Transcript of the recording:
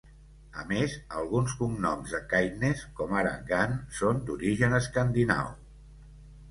A més, alguns cognoms de Caithness, com ara Gunn, són d'origen escandinau.